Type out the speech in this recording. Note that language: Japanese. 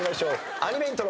アニメイントロ。